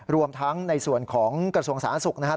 รวมทั้งในส่วนของกระทรวงสาธารณสุขนะครับ